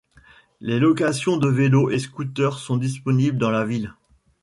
Les location de vélo et scooter sont disponibles dans la ville.